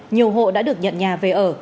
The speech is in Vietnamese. nhiều hộ đã được nhận nhà về ở